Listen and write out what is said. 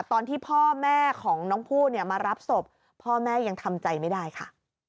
ตอนที่พ่อแม่ของน้องผู้เนี่ยมารับศพพ่อแม่ยังทำใจไม่ได้ค่ะ